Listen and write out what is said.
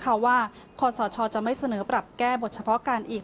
ความสอดชอบจะไม่เสนอปรับแก้บทเฉพาะการอีก